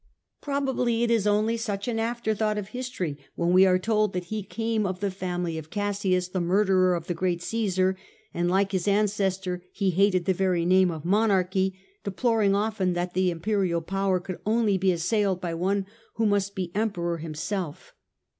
Probably it is only such an afterthought of history when we are told that he came of the family of Cassius, the murderer of the great Caesar, and that like his ancestor he hated the very name of monarchy, deploring often that the imperial power could only be assailed by one who must be emperor himself.